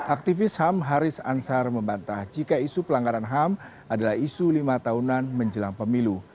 aktivis ham haris ansar membantah jika isu pelanggaran ham adalah isu lima tahunan menjelang pemilu